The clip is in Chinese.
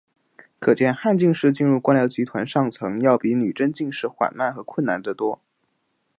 可见汉进士进入官僚集团上层要比女真进士缓慢和困难得多。